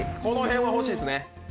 この辺は欲しいですね。